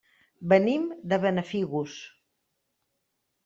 Venim de Benafigos.